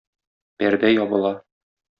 Пәрдә ябыла.